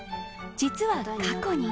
実は過去に。